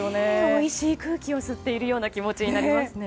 おいしい空気を吸っているような気持ちになりますね。